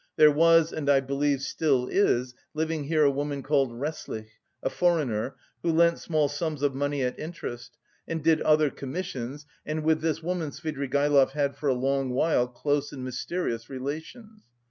There was, and I believe still is, living here a woman called Resslich, a foreigner, who lent small sums of money at interest, and did other commissions, and with this woman Svidrigaïlov had for a long while close and mysterious relations.